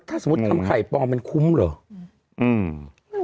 ถ้าสมมติไข่ปลอมมันคุ้มหรือ